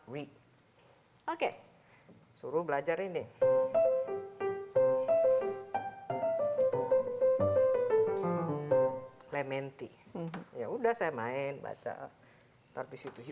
read oke suruh belajar ini clementi ya udah saya main baca ntar habis itu oke